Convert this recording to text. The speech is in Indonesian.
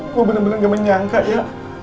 gue bener bener gak menyangka ya